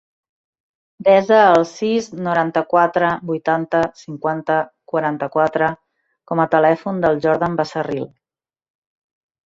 Desa el sis, noranta-quatre, vuitanta, cinquanta, quaranta-quatre com a telèfon del Jordan Becerril.